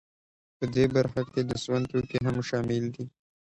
په دې برخه کې د سون توکي هم شامل دي